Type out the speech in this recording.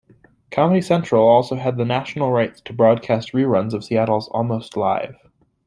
Comedy Central also had the national rights to broadcast reruns of Seattle's Almost Live!